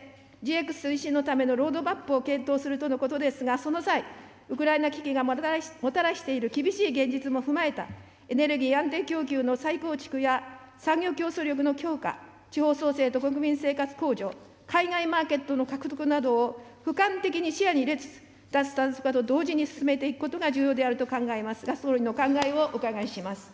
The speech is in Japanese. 年末に向けて、ＧＸ推進のためのロードマップを検討するとのことですが、その際、ウクライナ危機がもたらしている厳しい現実も踏まえたエネルギー安定供給の再構築や産業競争力の強化、地方創生と国民生活向上、海外マーケットの獲得などをふかん的に視野に入れつつ、脱炭素化と同時に進めていくことが重要であると考えますが、総理のお考えをお伺いします。